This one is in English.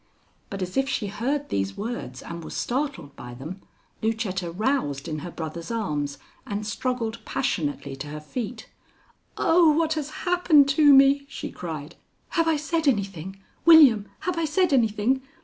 But as if she heard these words and was startled by them, Lucetta roused in her brother's arms and struggled passionately to her feet. "Oh! what has happened to me?" she cried. "Have I said anything? William, have I said anything?"